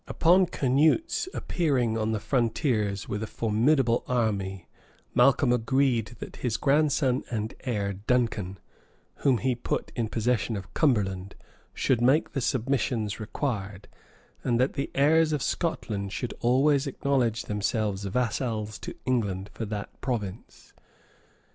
Upon Canute's appearing on the frontiers with a formidable army Malcolm agreed that his grandson and heir, Duncan, whom he put in possession of Cumberland, should make the submissions required, and that the heirs of Scotland should always acknowledge themselves vassals to England for that province.